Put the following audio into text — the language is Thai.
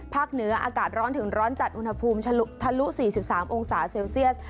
เหนืออากาศร้อนถึงร้อนจัดอุณหภูมิทะลุ๔๓องศาเซลเซียส